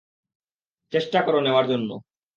চেষ্টা কর, নেওয়ার জন্য।